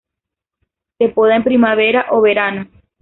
Se poda en primavera o verano.